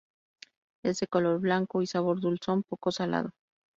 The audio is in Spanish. Es de color blanco, y sabor dulzón, poco salado.